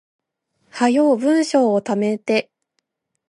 早う文章溜めて